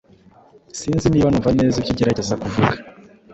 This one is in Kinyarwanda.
Sinzi niba numva neza ibyo ugerageza kuvuga.